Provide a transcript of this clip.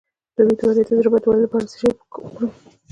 د امیدوارۍ د زړه بدوالي لپاره باید څه شی وخورم؟